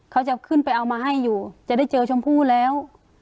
เขาจะขึ้นไปเอามาให้อยู่จะได้เจอชมพู่แล้ว